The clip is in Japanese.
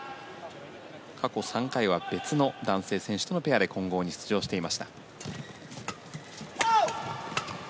過去３回は別の男性選手とのペアで混合に出場していました。